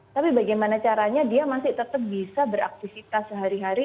tapi bagaimana caranya dia masih tetap bisa beraktivitas sehari hari